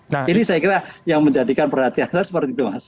nah ini saya kira yang menjadikan perhatian saya seperti itu mas